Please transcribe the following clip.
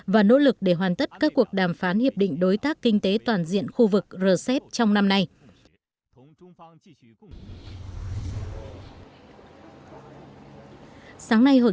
và nỗ lực để hoàn tất các cuộc đàm phán hiệp định đối tác kinh tế toàn diện khu vực rcep trong năm nay